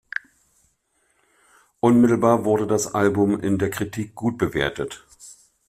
Unmittelbar wurde das Album in der Kritik gut bewertet.